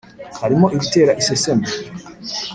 harimo ibitera iseseme,